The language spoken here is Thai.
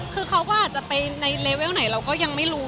คือเขาก็อาจจะไปในเลเวลไหนเราก็ยังไม่รู้